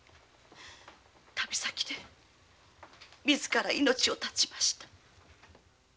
旅先でみずから命を絶ちました。